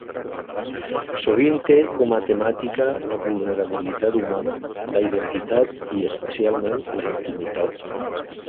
Sovint té com a temàtica la vulnerabilitat humana, la identitat i, especialment, la intimitat.